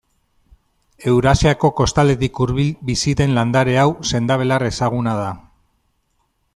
Eurasiako kostaldetik hurbil bizi den landare hau sendabelar ezaguna da.